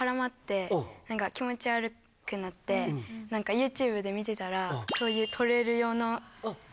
ＹｏｕＴｕｂｅで見てたら。